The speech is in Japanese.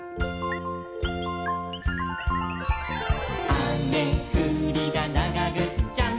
「あめふりだ、ながぐっちゃん！！」